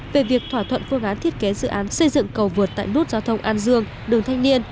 về việc thỏa thuận phương án thiết kế dự án xây dựng cầu vượt tại nút giao thông an dương đường thanh niên